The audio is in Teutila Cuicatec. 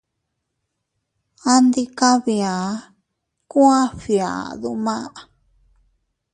Andikabia, kuu a fgiadu ma.